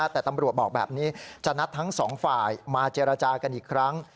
แต่ตำรวจบอกแบบนี้จะนัดทั้งสองฝ่ายมาเจรจากันอีกครั้ง